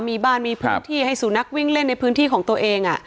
มีบ้านมีพื้นที่ให้สุนัขวิ่งเล่นในพื้นที่ของตัวเอง